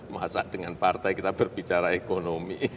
masa dengan partai kita berbicara ekonomi